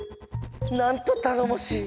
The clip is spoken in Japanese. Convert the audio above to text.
なんとたのもしい！